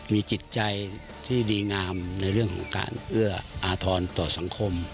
มีจิตใจที่ดีงามในเรื่องของการเอื้ออาทรต่อสังคม